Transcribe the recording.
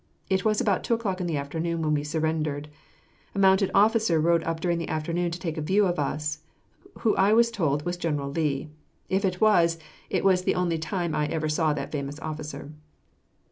It was about two o'clock in the afternoon when we surrendered. A mounted officer rode up during the afternoon to take a view of us, who I was told was General Lee. If it was, it was the only time I ever saw that famous officer.